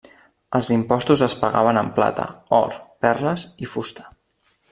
Els impostos es pagaven en plata, or, perles i fusta.